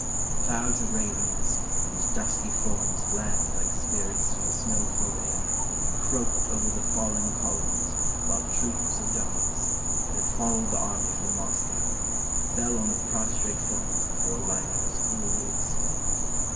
Clouds of ravens, whose dusky forms glanced like spirits through the snow filled air, croaked over the falling columns, while troops of dogs, that had followed the army from Mos cow, fell on the prostrate forms before life was wholly extinct.